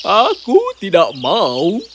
aku tidak mau